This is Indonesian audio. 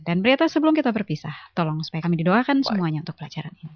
dan berita sebelum kita berpisah tolong supaya kami didoakan semuanya untuk pelajaran ini